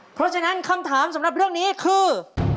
เพราะฉะนั้นคำถามสำหรับเรื่องนี้คือ